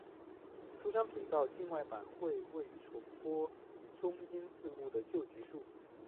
珠江频道境外版亦会重播配有中英文字幕的旧集数。